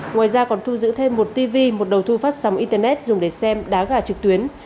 ngoài ra còn thu giữ thêm một tv một đầu thu phát sóng internet dùng để xem đá gà trực tuyến